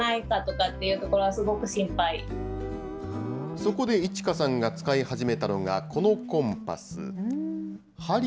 そこでいち花さんが使い始めたのが、このコンパス。